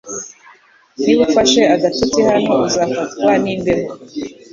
Niba ufashe agatotsi hano, uzafatwa n'imbeho.